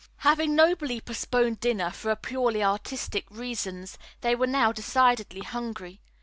Having nobly postponed dinner for purely artistic reasons, they were now decidedly hungry.